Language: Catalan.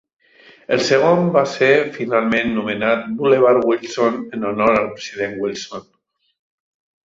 El segon va ser finalment nomenat Bulevard Wilson en honor al president Wilson.